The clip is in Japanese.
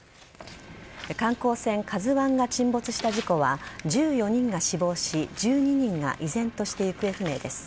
観光船「ＫＡＺＵ１」が沈没した事故は１４人が死亡し１２人が依然として行方不明です。